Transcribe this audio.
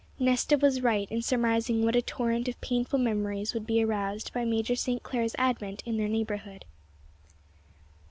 Nesta was right in surmising what a torrent of painful memories would be aroused by Major St. Clair's advent in their neighbourhood.